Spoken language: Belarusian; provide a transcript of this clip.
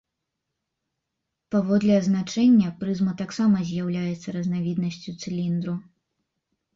Паводле азначэння прызма таксама з'яўляецца разнавіднасцю цыліндру.